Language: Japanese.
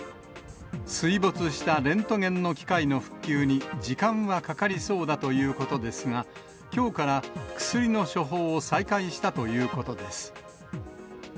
水没したレントゲンの機械の復旧に時間はかかりそうだということですが、きょうから薬の処方を再開したということです。